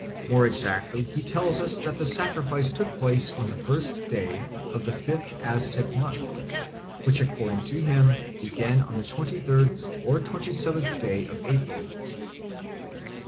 More exactly he tells us that the sacrifice took place on the first day of the fifth Aztec month, which according to him began on the twenty third or twenty seventh day of April.